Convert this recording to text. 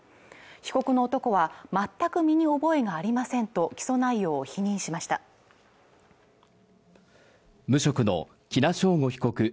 被告の男は全く身に覚えがありませんと起訴内容を否認しました無職の喜納尚吾被告